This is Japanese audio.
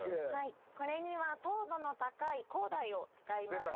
これには糖度の高い紅大を使います。